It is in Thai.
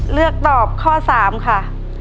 เลือกตอบข้อ๓ค่ะ